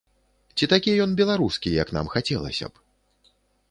Ці такі ён беларускі, як нам хацелася б?